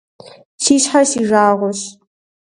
Си щхьэр си жагъуэщ.